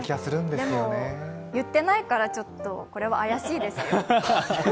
でも、言ってないからちょっとこれは怪しいですよ。